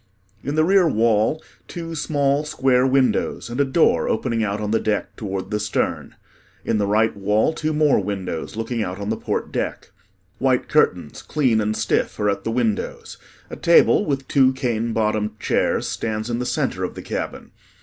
In the rear wall, two small square windows and a door opening out on the deck toward the stern. In the right wall, two more windows looking out on the port deck. White curtains, clean and stiff, are at the windows. A table with two cane bottomed chairs stands in the center of the cabin.